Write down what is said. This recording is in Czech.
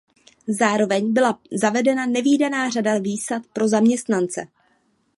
Zároveň byla zavedena nevídaná řada výsad pro zaměstnance.